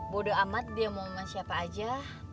bodoh amat dia mau sama siapa aja